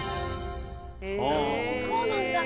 そうなんだ。